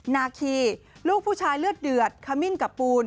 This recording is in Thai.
นาคีลูกผู้ชายเลือดเดือดขมิ้นกับปูน